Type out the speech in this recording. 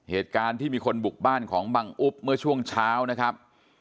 เหตุการณ์ที่มีคนบุกบ้านของบังอุ๊บเมื่อช่วงเช้านะครับ